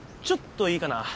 ちょっといいかな？